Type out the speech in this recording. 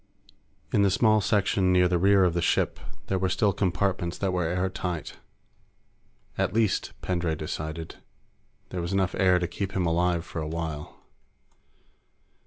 In the small section near the rear of the ship, there were still compartments that were airtight. At least, Pendray decided, there was enough air to keep him alive for a while.